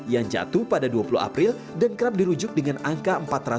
yang jatuh pada dua puluh april dan kerap dirujuk dengan angka empat ratus